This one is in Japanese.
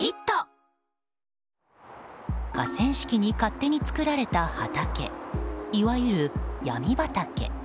河川敷に勝手に作られた畑いわゆるヤミ畑。